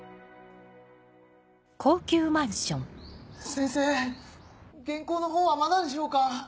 先生原稿のほうはまだでしょうか？